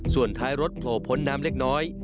ส่วนท้ายรถโผล่พ้นน้ำเล็กน้อย